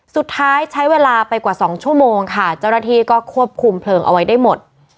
สุดท้ายใช้เวลาไปกว่า๒ชั่วโมงค่ะเจ้าหน้าที่ก็ควบคุมเพลิงเอาไว้ได้หมด